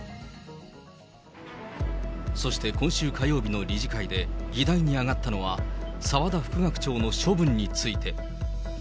そして今週火曜日の理事会で議題に上がったのは、澤田副学長の処分について。